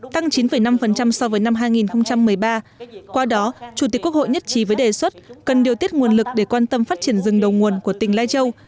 tăng chín năm so với năm hai nghìn một mươi ba qua đó chủ tịch quốc hội nhất trí với đề xuất cần điều tiết nguồn lực để quan tâm phát triển rừng đầu nguồn của tỉnh lai châu